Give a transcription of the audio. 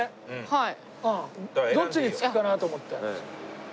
はい。